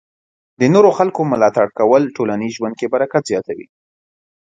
د نورو خلکو ملاتړ کول ټولنیز ژوند کې برکت زیاتوي.